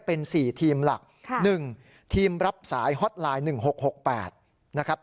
เป็นสี่ทีมหลักค่ะหนึ่งทีมรับสายฮอตไลน์๑๖๖๘นะครับ